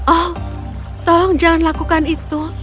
oh tolong jangan lakukan itu